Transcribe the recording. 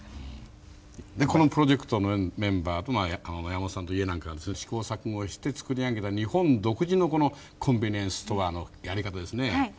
このプロジェクトのメンバーと山本さんの家なんかが試行錯誤して作り上げた日本独自のこのコンビニエンスストアのやり方ですね。